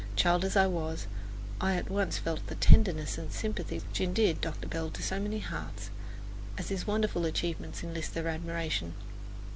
Child as I was, I at once felt the tenderness and sympathy which endeared Dr. Bell to so many hearts, as his wonderful achievements enlist their admiration.